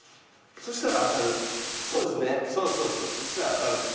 そしたら当たるから。